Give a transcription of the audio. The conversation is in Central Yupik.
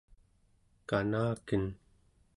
kanaken